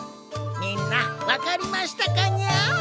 みんな分かりましたかニャ？